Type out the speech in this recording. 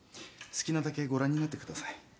好きなだけご覧になってください。